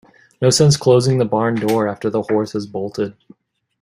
No sense closing the barn door after the horse has bolted.